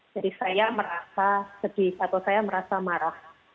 jadi saya merasa sedih atau saya merasa marah